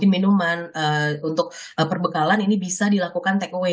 dan memang untuk makanan dan mungkin minuman untuk perbekalan ini bisa dilakukan take away